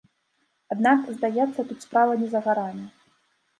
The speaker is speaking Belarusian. Аднак, здаецца, тут справа не за гарамі.